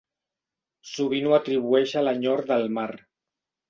Sovint ho atribueix a l'enyor del mar.